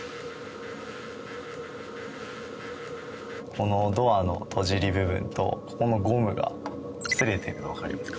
このドアの戸尻部分とここのゴムが擦れてるのわかりますか？